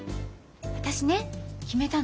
私ね決めたの。